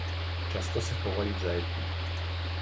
Často se chovají v zajetí.